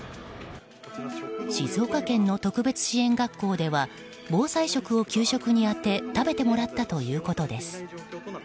静岡の特別支援学校では防災食を給食に当て食べてもらったということです。